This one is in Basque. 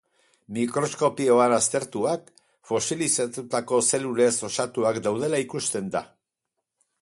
Mikroskopioan aztertuak, fosilizatutako zelulez osatuak daudela ikusten da.